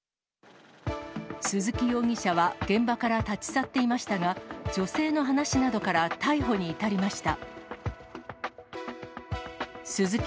鈴木容疑者は現場から立ち去っていましたが、女性の話などから逮捕に至りました。